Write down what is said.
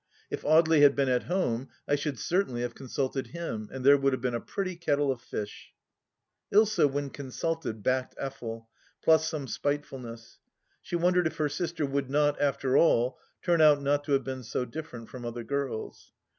If Audely had been at home, I should certainly have consulted him, and there would have been a pretty kettle of fish ! Ilsa, when consulted, backed Effel, plus some spitefulness. She wondered if her sister would not, after all, turn out not to have been so different from other girls.